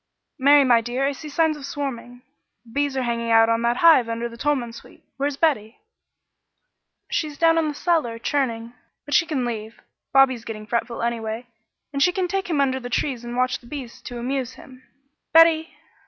"Mary, my dear, I see signs of swarming. The bees are hanging out on that hive under the Tolman Sweet. Where's Betty?" "She's down cellar churning, but she can leave. Bobby's getting fretful, anyway, and she can take him under the trees and watch the bees and amuse him. Betty!"